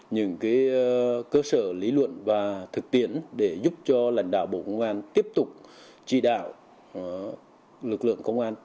những cơ sở lý luận và thực tiễn để giúp cho lãnh đạo bộ công an tiếp tục chỉ đạo lực lượng công an